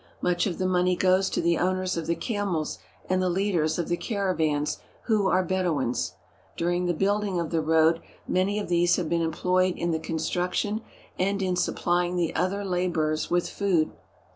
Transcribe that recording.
Much of the money goes to the owners of the camels and the leaders of the caravans, who are Bedouins. During the building of the road many of these have been employed in the construction and in supplying the other labourers with food.